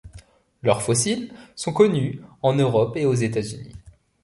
Leurs fossiles sont connus en Europe et aux États-unis.